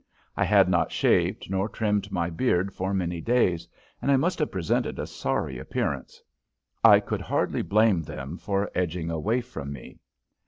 I had not shaved nor trimmed my beard for many days, and I must have presented a sorry appearance. I could hardly blame them for edging away from me.